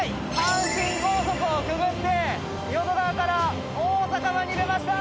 阪神高速をくぐって淀川から大阪湾に出ました！